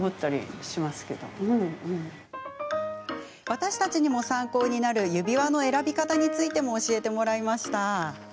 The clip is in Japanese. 私たちにも参考になる指輪の選び方についても教えてもらいました。